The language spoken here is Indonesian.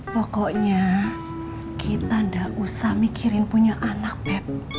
pokoknya kita gak usah mikirin punya anak beb